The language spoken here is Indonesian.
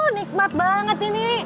wuu nikmat banget ini